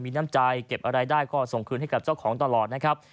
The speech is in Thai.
มีน้ำใจเก็บอะไรได้ก็ส่งคืนให้กับเจ้าของตลอดนะครับ